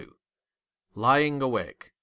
LYING AWAKE.